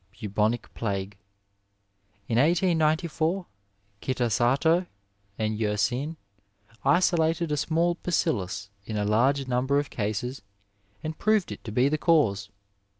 Bubonic Plague. — ^In 1894 Eitasato and Tersin isolated a small bacillus in a large number of cases and proved it to be the cause.